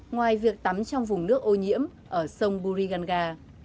ngoài việc tắm trong vùng nước ô nhiễm ở sông buriganda